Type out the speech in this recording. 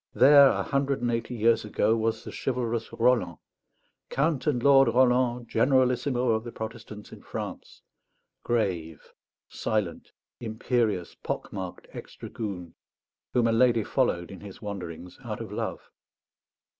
There, a hundred and eighty years ago, was the chivalrous Roland, "Count and Lord Roland, generalissimo of the Protestants in France," grave, silent, imperious, pock marked ex dragoon, whom a lady followed in his wanderings out of love.